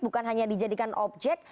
bukan hanya dijadikan objek